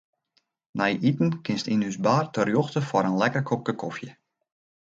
Nei iten kinst yn ús bar terjochte foar in lekker kopke kofje.